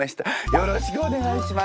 よろしくお願いします。